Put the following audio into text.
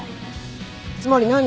つまり何？